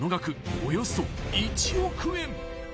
およそ１億円。